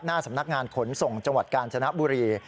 หน้าสำนักงานขนส่งจังหวัดกาญจนบุรี